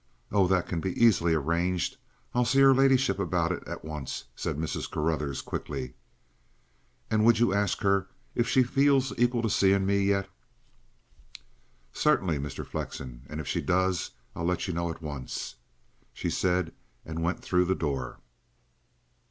"Oh, that can easily be arranged. I'll see her ladyship about it at once," said Mrs. Carruthers quickly. "And would you ask her if she feels equal to seeing me yet?" "Certainly, Mr. Flexen; and if she does, I'll let you know at once," she said and went through the door.